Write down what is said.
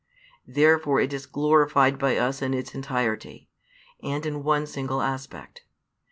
Therefore it is glorified by us in its entirety, and in one single aspect.